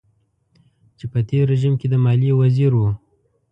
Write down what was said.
چې په تېر رژيم کې د ماليې وزير و.